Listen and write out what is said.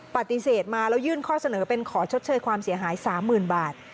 ปฏิเสธมาแล้วยื่นข้อเสนอเป็นขอชดเชยความเสียหาย๓๐๐๐บาท